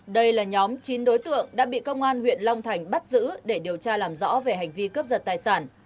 đây là nhóm chín đối tượng đã bị công an huyện long thành bắt giữ để điều tra làm rõ về hành vi cướp giật tài sản